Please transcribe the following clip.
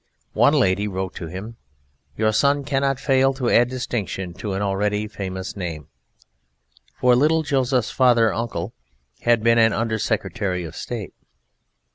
One lady wrote to him: "Your son cannot fail to add distinction to an already famous name" for little Joseph's father's uncle had been an Under Secretary of State.